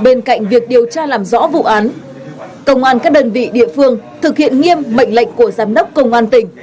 bên cạnh việc điều tra làm rõ vụ án công an các đơn vị địa phương thực hiện nghiêm mệnh lệnh của giám đốc công an tỉnh